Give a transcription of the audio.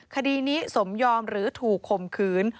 คดีนี้สมยอมหรือถูกข่มขืน